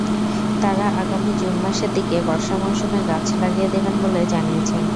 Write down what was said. তাঁরা আগামী জুন মাসের দিকে বর্ষা মৌসুমে গাছ লাগিয়ে দেবেন বলে জানিয়েছেন।